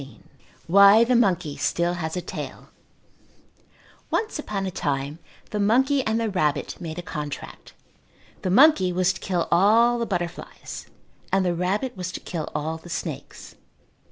XIV Why the Monkey Still Has a Tail Once upon a time the monkey and the rabbit made a contract. The monkey was to kill all the butterflies and the rabbit was to kill all the snakes.